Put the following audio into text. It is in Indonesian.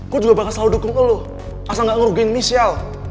gue juga bakal selalu dukung lo asal gak ngerugiin inisial